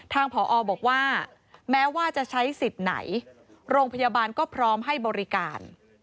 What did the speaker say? ผอบอกว่าแม้ว่าจะใช้สิทธิ์ไหนโรงพยาบาลก็พร้อมให้บริการ